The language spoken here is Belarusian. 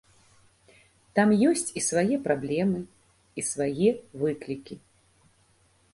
Там ёсць і свае праблемы, і свае выклікі.